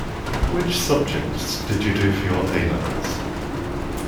Which subjects did you do for your A-levels?